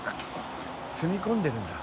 住み込んでるんだ。